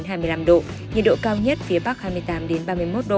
nhiệt độ cao nhất phía bắc hai mươi tám ba mươi một độ